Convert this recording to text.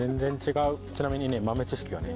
ちなみに豆知識はね